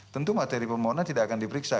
tentu materi permohonan tidak akan diperiksa